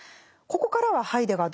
ここからはハイデガー